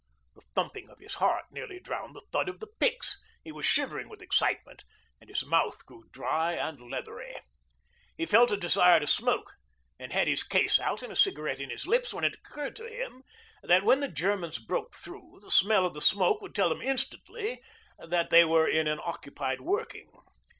The thumping of his heart nearly drowned the thud of the picks, he was shivering with excitement, and his mouth grew dry and leathery. He felt a desire to smoke, and had his case out and a cigarette in his lips when it occurred to him that, when the Germans broke through, the smell of the smoke would tell them instantly that they were in an occupied working.